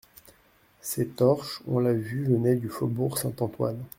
Ces torches, on l'a vu, venaient du faubourg Saint-Antoine.